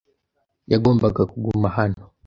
Yagomba kuguma hano.